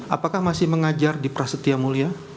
apakah masih mengajar di prasetya mulia